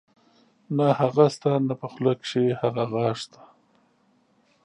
نۀ هغه شته نۀ پۀ خولۀ کښې هغه غاخ شته